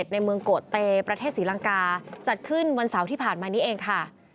ในเมืองโกะเตประเทศศรีลังกาจัดขึ้นวันเสาร์ที่ผ่านมานี้เองค่ะ